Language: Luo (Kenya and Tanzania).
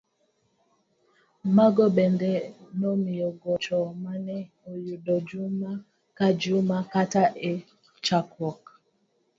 Mago bende nomiye gocho mane oyudo juma ka juma kata e chakruok.